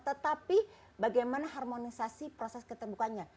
tetapi bagaimana harmonisasi proses keterbukanya